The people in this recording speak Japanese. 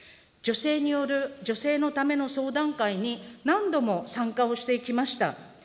女性による女性のための相談会に何度も参加をしてきました。